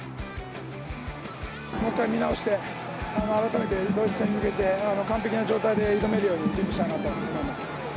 もう一回見直して、改めてドイツ戦に向けて、完璧な状態で挑めるように準備したいなと思います。